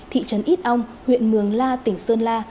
thị trấn ít ong huyện mường la tỉnh sơn la